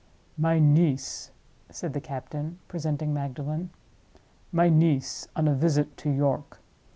"My niece," said the captain, presenting Magdalen; "my niece on a visit to York.